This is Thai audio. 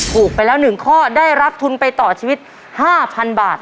ถูกไปแล้ว๑ข้อได้รับทุนไปต่อชีวิต๕๐๐๐บาท